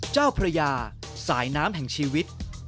เจ้าพระยาสายน้ำแห่งชีวิต